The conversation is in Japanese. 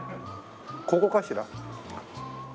ここかしら？